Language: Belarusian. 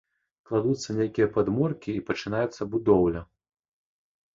Кладуцца нейкія падмуркі і пачынаецца будоўля.